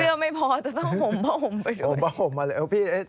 เสื้อไม่พอแต่ต้องห่มผ้าห่มไปด้วย